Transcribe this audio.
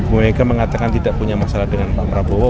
bu mega mengatakan tidak punya masalah dengan pak prabowo